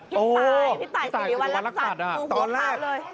พี่ไทยซิริวัณรักษัตรย์กรูมูลเราเลย